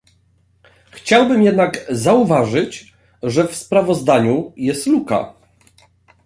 Chciałbym jednak zauważyć, że w sprawozdaniu jest luka